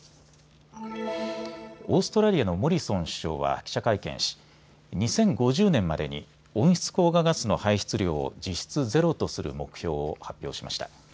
オーストラリアのモリソン首相は記者会見し２０５０年までに温室効果ガスの排出量を実質ゼロとする目標を発表しました。